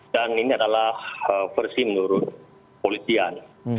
dan ini adalah versi menurut politian